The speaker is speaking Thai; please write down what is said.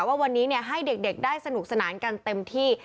ว่าวันนี้ให้เด็กได้สนุกสนานกันเต็มที่